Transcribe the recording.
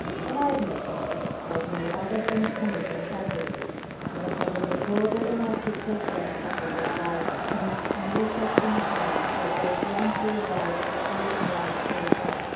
And I admit that, like many other things coming from a Secularist, it must have been deplorable enough to a Christian suckled on the Bible, and assured in his unreflecting ignorance that it is the one true word of the three in one true god.